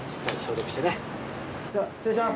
では失礼します。